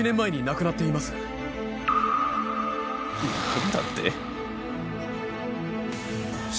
何だって？